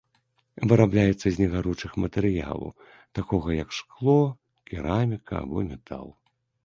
Вырабляецца з негаручых матэрыялу, такога як шкло, кераміка або метал.